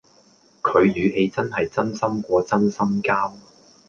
佢語氣真係真心過真心膠